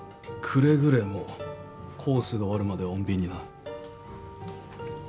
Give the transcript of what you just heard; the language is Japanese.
くれぐれもコースが終わるまでは穏便にな。